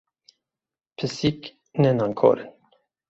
Pisîk, ne nankor in!